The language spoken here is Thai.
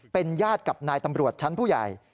เป็นญาติกับนายตำรวจชั้นผู้ใหญ่